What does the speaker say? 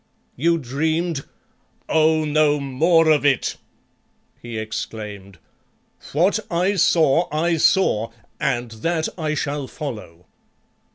You dreamed " "Oh! no more of it," he exclaimed. "What I saw, I saw, and that I shall follow.